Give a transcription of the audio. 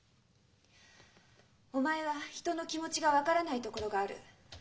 「お前は人の気持ちが分からないところがある。